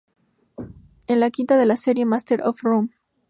Es la quinta de la serie "Masters of Rome".